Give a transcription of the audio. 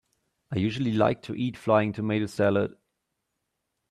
I usually like to eat flying tomato salad.